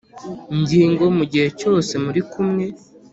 gingo mu gihe cyose muri kumwe.